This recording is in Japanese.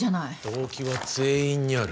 動機は全員にある。